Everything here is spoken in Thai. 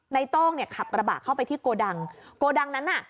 โต้งเนี่ยขับกระบะเข้าไปที่โกดังโกดังนั้นน่ะ